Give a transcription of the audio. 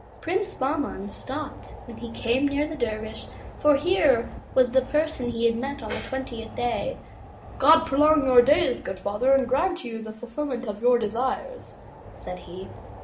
Prince Bahman stopped when he came near the dervish for here was the first person he had met on the twentieth day. '*God prolong your days, good father, and grant you the ful filment of your desires," said he.